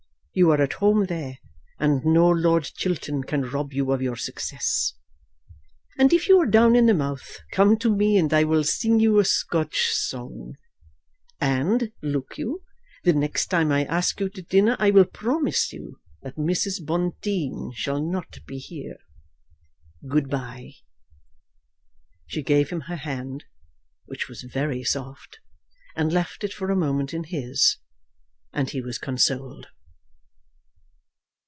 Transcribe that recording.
You are at home there, and no Lord Chiltern can rob you of your success. And if you are down in the mouth, come to me, and I will sing you a Scotch song. And, look you, the next time I ask you to dinner I will promise you that Mrs. Bonteen shall not be here. Good bye." She gave him her hand, which was very soft, and left it for a moment in his, and he was consoled.